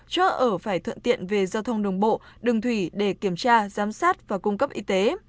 chỗ ở phải thuận tiện về giao thông đường bộ đường thủy để kiểm tra giám sát và cung cấp y tế